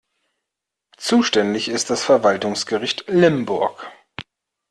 Zuständig ist das Verwaltungsgericht Limburg.